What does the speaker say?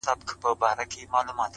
درد چي سړی سو له پرهار سره خبرې کوي